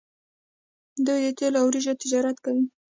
دوی د تیلو او وریجو تجارت کوي.